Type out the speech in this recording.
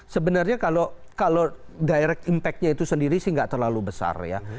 sebenarnya kalau direct impact nya itu sendiri sih nggak terlalu besar ya